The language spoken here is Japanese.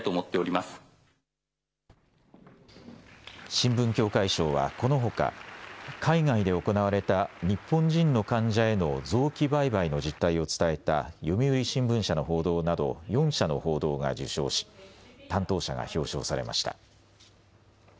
新聞協会賞はこのほか、海外で行われた日本人の患者への臓器売買の実態を伝えた読売新聞社の報道など４社の報道が受賞し担当者が表彰されました。